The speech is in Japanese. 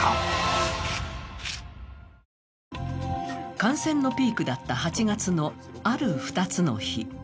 感染のピークだった８月のある２つの日。